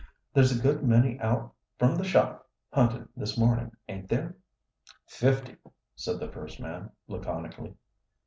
"There's a good many out from the shop huntin' this mornin', ain't there?" "Fifty," said the first man, laconically.